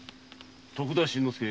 徳田新之助。